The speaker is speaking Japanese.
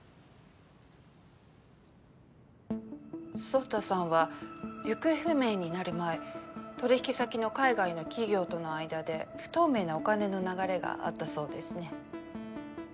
宗太さんは行方不明になる前取引先の海外の企業との間で不透明なお金の流れがあったそうですね？